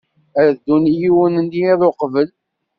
Ad ddun yiwen n yiḍ uqbel.